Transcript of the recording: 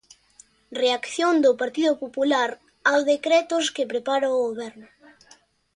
Reacción do Partido Popular ao decretos que prepara o Goberno.